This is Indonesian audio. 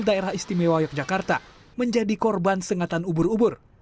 daerah istimewa yogyakarta menjadi korban sengatan ubur ubur